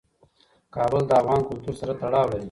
کابل د افغان کلتور سره تړاو لري.